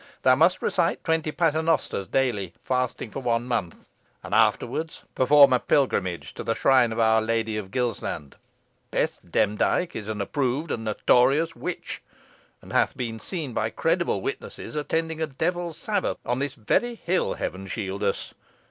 Thou must recite twenty paternosters daily, fasting, for one month; and afterwards perform a pilgrimage to the shrine of our Lady of Gilsland. Bess Demdike is an approved and notorious witch, and hath been seen by credible witnesses attending a devil's sabbath on this very hill Heaven shield us!